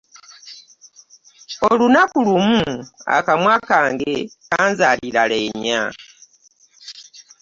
Olunaku lumu akamwa kange kanzaalira leenya.